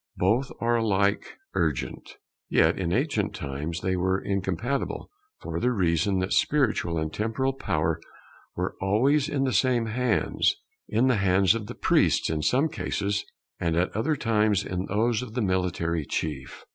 Both are alike urgent: yet in ancient times they were incompatible, for the reason that spiritual and temporal power were always in the same hands; in the hands of the priests in some cases, at other times in those of the military chief.